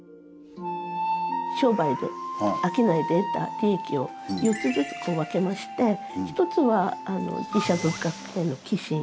商売で商いで得た利益を４つずつ分けまして一つは寺社仏閣への寄進。